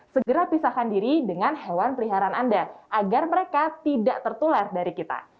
segera pisahkan diri dengan hewan peliharaan anda agar mereka tidak tertular dari kita